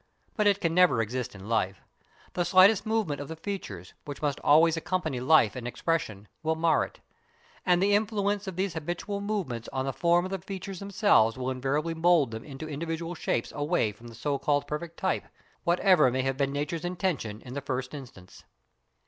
But it can never exist in life; the slightest movement of the features, which must always accompany life and expression, will mar it. And the influence of these habitual movements on the form of the features themselves will invariably mould them into individual shapes away from the so called perfect type, whatever may have been nature's intention in the first instance.